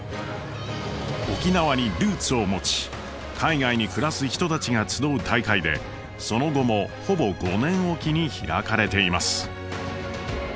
沖縄にルーツを持ち海外に暮らす人たちが集う大会でその後もほぼ５年置きに開かれています。